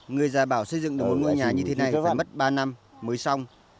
người già bảo xây dựng được một ngôi nhà như thế này và mất ba năm mới xong